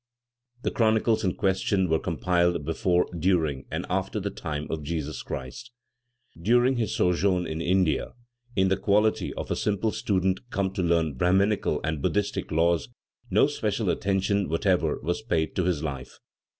The chronicles in question were compiled before, during and after the time of Jesus Christ. During his sojourn in India, in the quality of a simple student come to learn the Brahminical and Buddhistic laws, no special attention whatever was paid to his life.